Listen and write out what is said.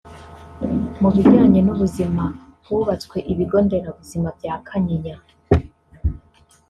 Mu bijyanye n’ubuzima hubatswe ibigo nderabuzima bya Kanyinya